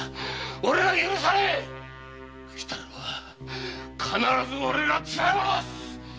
浮太郎は必ずおれが連れ戻す！